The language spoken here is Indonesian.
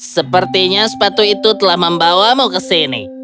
sepertinya sepatu itu telah membawamu ke sini